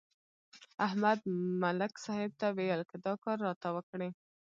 احمد ملک صاحب ته ویل: که دا کار راته وکړې.